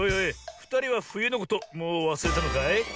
ふたりはふゆのこともうわすれたのかい？